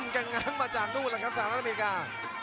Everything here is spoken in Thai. กังงั้งมาจากทุกคนแล้วครับสหรัฐอเมริกา